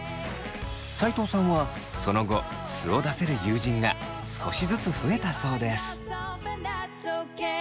齋藤さんはその後素を出せる友人が少しずつ増えたそうです。